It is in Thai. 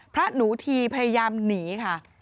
พระหนูทีพยายามหนีค่ะ